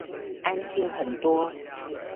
安靜很多